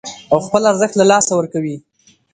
او خپل ارزښت له لاسه ورکوي